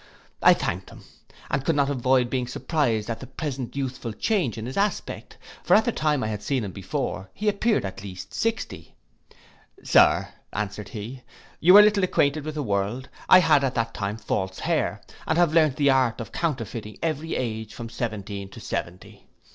I thanked him, and could not avoid being surprised at the present youthful change in his aspect; for at the time I had seen him before he appeared at least sixty.—'Sir,' answered he, you are little acquainted with the world; I had at that time false hair, and have learnt the art of counterfeiting every age from seventeen to seventy.